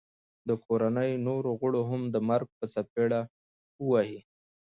د کوړنۍ نورو غړو هم د مرګ په څپېړه وه وهي